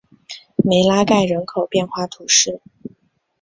梅拉盖人口变化图示